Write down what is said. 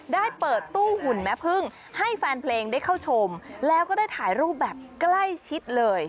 ได้เปิดตู้หุ่นแม่พึ่งให้แฟนเพลงได้เข้าชมแล้วก็ได้ถ่ายรูปแบบใกล้ชิดเลย